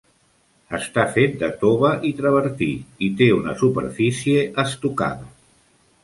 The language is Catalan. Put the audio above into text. Està fet de tova i travertí, i té una superfície estucada.